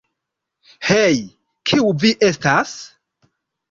Hej, kiu vi estas?